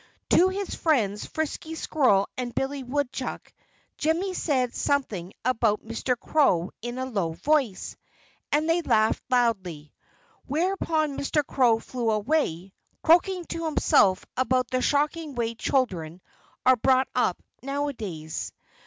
To his friends Frisky Squirrel and Billy Woodchuck, Jimmy said something about Mr. Crow in a low voice. And they laughed loudly. Whereupon Mr. Crow flew away, croaking to himself about the shocking way children are brought up nowadays.